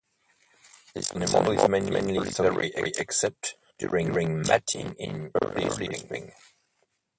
This animal is mainly solitary except during mating in early spring.